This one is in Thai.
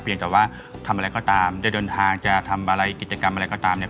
แต่ว่าทำอะไรก็ตามจะเดินทางจะทำอะไรกิจกรรมอะไรก็ตามเนี่ย